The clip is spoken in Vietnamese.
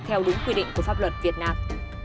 theo đúng quy định của pháp luật việt nam